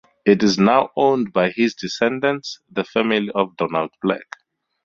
It is now owned by his descendants, the family of Donald Black.